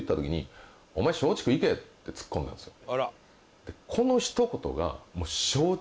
ってツッコんだんですよ。